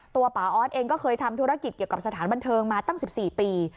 ป่าออสเองก็เคยทำธุรกิจเกี่ยวกับสถานบันเทิงมาตั้ง๑๔ปี